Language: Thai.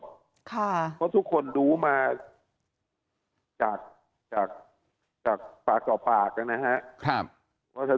เพราะทุกคนดูมาจากปากก่อปากนะฮะ